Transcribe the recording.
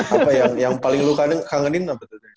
apa yang paling lu kangenin apa tuh dari semarang